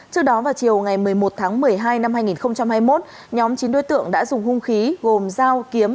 trước đó vào chiều ngày một mươi một tháng một mươi hai năm hai nghìn hai mươi một nhóm chín đối tượng đã dùng hung khí gồm dao kiếm